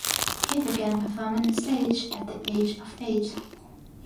He began performing on stage at the age of eight.